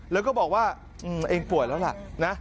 แล้วก็บอกว่าตัวเองป่วยแล้วล่ะนะ